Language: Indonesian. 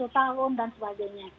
satu tahun dan sebagainya